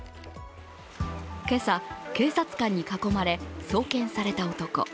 今朝、警察官に囲まれ送検された男。